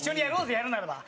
やるならば。